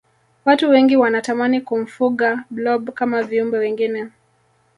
watu wengi wanatamani kumfuga blob kama viumbe wengine